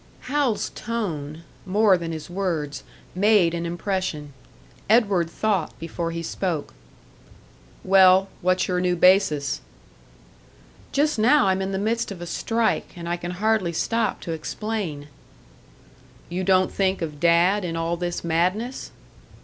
Hal's tone, more than his words, made an impression. Edward thought before he spoke. "Well, what's your new basis?" "Just now I'm in the midst of a strike, and I can hardly stop to explain." "You don't think of Dad in all this madness?"